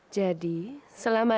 jadi selama ini